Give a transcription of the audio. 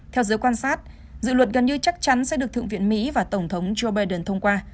theo giới quan sát dự luật gần như chắc chắn sẽ được thượng viện mỹ và tổng thống joe biden thông qua